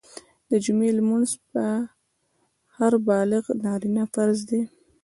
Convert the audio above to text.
د جمعي لمونځ په هر بالغ نارينه فرض دی